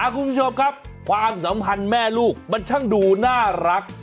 คุณผู้ชมครับความสัมพันธ์แม่ลูกมันช่างดูน่ารัก